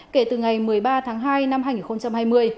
kể từ ngày một mươi ba tháng hai năm hai nghìn hai mươi